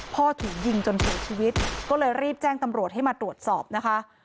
ถูกยิงจนเสียชีวิตก็เลยรีบแจ้งตำรวจให้มาตรวจสอบนะคะ